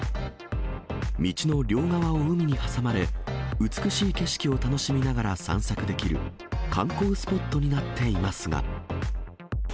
道の両側を海に挟まれ、美しい景色を楽しみながら散策できる、観光スポットになっていますが。